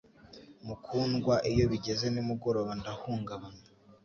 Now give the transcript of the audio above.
Mukundwa, iyo bigeze nimugoroba ndahungabana